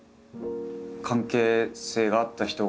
関係性があった人がいたのか。